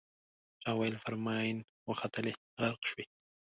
چا ویل پر ماین وختلې غرق شوې.